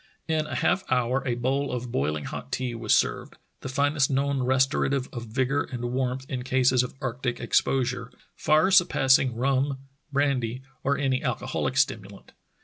In a half hour a bowl of boiling hot tea was served, the finest known restorative of vigor and warmth in cases of arctic ex posure — far surpassing rum, brandy, or any alcoholic stimulant.